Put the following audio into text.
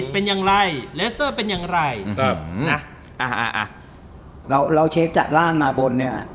เป็นอย่างไรอ่าอ่าอ่าเราเราเชฟจัดร่างมาบนเนี้ย